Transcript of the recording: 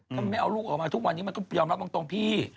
ถ้าไม่เอาลูกออกมาทุกวันนี้มันก็ยอมรับตรงพี่